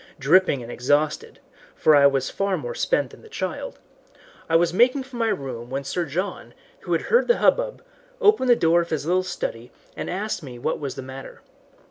Dripping and exhausted for I was far more spent than the child I was making for my room when Sir John, who had heard the hubbub, opened the door of his little study and asked me what was the matter.